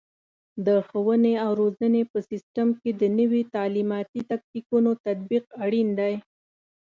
د ښوونې او روزنې په سیستم کې د نوي تعلیماتي تکتیکونو تطبیق اړین دی.